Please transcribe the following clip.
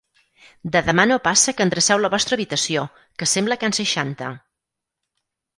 De demà no passa que endreceu la vostra habitació, que sembla can Seixanta!